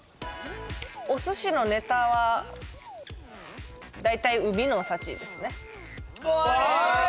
お寿司のネタは大体海の幸ですねおい！